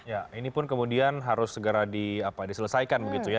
ya ini pun kemudian harus segera diselesaikan begitu ya